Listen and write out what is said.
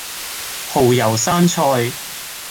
蠔油生菜